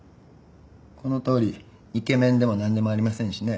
このとおりイケメンでも何でもありませんしね。